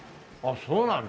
そうなんだ。